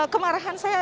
kemarahan saya adalah